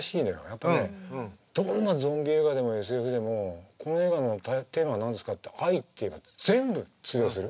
やっぱねどんなゾンビ映画でもＳＦでもこの映画のテーマは何ですかって愛って言えば全部通用する。